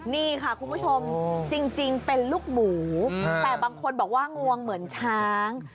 นี่ค่ะคุณผู้ชมจริงเป็นลูกหมูแต่บางคนบอกว่างวงเหมือนช้าง